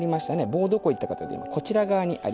棒どこ行ったかというと今こちら側にあります。